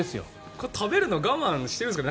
これ、食べるの我慢してるんですか？